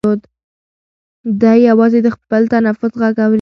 دی یوازې د خپل تنفس غږ اوري.